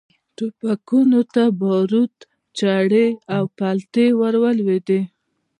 ټوپکونو ته باروت، چرې او پلتې ور ولوېدې.